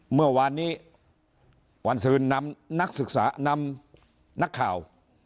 เมื่อวานนี้วันซืนนำนักศึกษานำนักข่าว